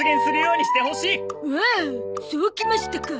そうきましたか！